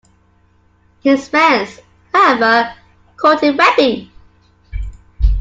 His friends, however, called him Webby.